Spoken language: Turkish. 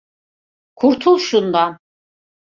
Kurtul şundan!